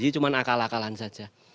cuma akal akalan saja